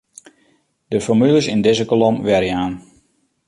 De formules yn dizze kolom werjaan.